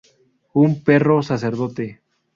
Un perro sacerdote.